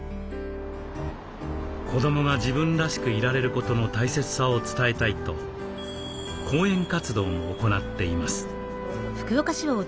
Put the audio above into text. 子どもが自分らしくいられることの大切さを伝えたいと講演活動も行っています。